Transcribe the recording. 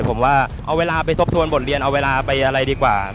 ผมว่าเอาเวลาไปทบทวนบทเรียนเอาเวลาไปอะไรดีกว่า